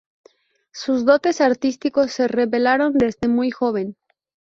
Sus dotes artísticos se revelaron desde muy joven.